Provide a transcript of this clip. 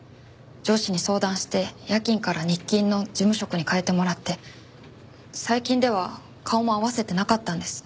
上司に相談して夜勤から日勤の事務職に変えてもらって最近では顔も合わせてなかったんです。